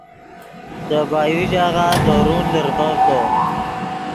دے بایو ژاغہ درون لرڤڤدو